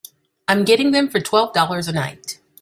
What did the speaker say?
I'm getting them for twelve dollars a night.